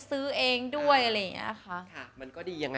สวัสดีค่ะ